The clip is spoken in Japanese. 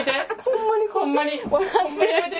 ホンマにホンマにやめて！